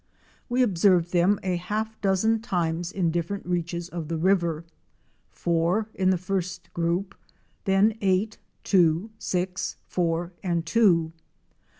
We observed them a_ half dozen times in different reaches of the river, four in the first group, then eight, two, six, four and two.